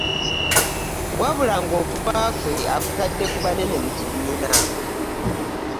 Wabula ng'okugwa kwe akutadde ku banene mu kibiina